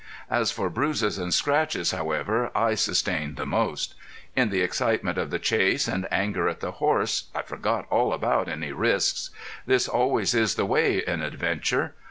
As for bruises and scratches, however, I sustained the most. In the excitement of the chase and anger at the horse I forgot all about any risks. This always is the way in adventure.